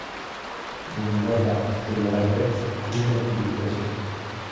Je ne vois pas, je le répète, où est la complication.